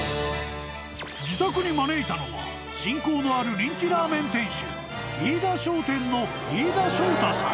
［自宅に招いたのは親交のある人気ラーメン店主飯田商店の飯田将太さん］